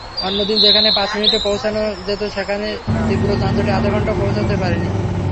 অন্যদিন যেখানে পাঁচ মিনিটেই পৌঁছানো যেত সেখানে তীব্র যানজটে আধঘণ্টাতেও পৌঁছাতে পারিনি।